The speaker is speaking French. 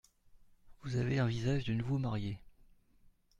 Vous avez un visage de nouveau marié.